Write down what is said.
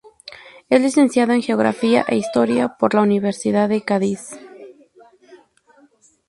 Es licenciado en Geografía e Historia por la Universidad de Cádiz.